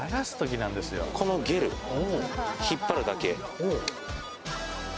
このゲル、引っ張るだけ。